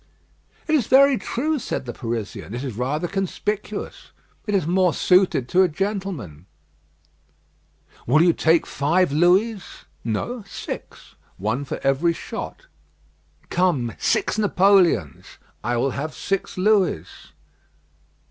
"It is very true," said the Parisian. "It is rather conspicuous. It is more suited to a gentleman." "Will you take five Louis?" "No, six; one for every shot." "Come, six Napoleons." "I will have six Louis."